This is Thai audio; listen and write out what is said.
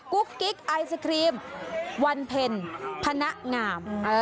กุ๊กกิ๊กไอศครีมวันเพ็ญพนักงาม